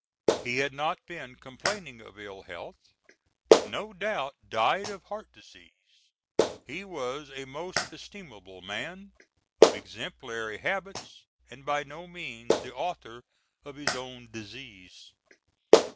He had not been complaining of ill health, but no doubt died of heart disease. He was a most estimable man, of exemplary habits, and by no means the author of his own disease.